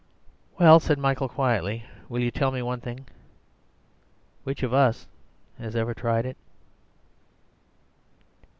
"Well," said Michael quietly, "will you tell me one thing? Which of us has ever tried it?"